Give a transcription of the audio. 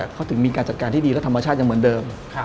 เขาถึงมีการจัดการที่ดีและธรรมชาติยังเหมือนเดิม